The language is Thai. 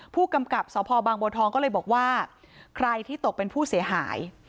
ผู้กำกับสพบางบัวทองก็เลยบอกว่าใครที่ตกเป็นผู้เสียหาย